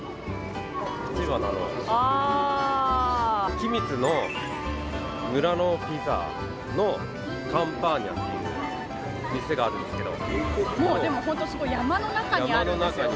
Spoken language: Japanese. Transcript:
君津の村のピザのカンパーニャっていう店があるんですけど。